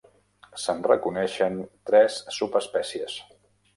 Se'n reconeixen tres subespècies.